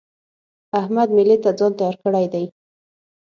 احمد مېلې ته ځان تيار کړی دی.